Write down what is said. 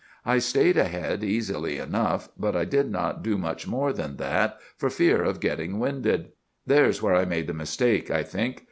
I stayed ahead easily enough, but I did not do much more than that for fear of getting winded. "'There's where I made the mistake, I think.